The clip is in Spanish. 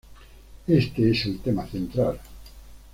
Este es el tema central.